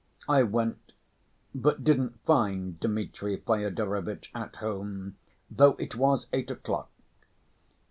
I went, but didn't find Dmitri Fyodorovitch at home, though it was eight o'clock.